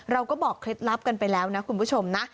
เราก็บอกเคล็ดลับกันไปแล้วนะคุณผู้ชมนะ